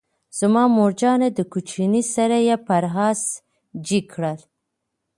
زما مورجانه دکوچنی سره یې پر آس جګ کړل،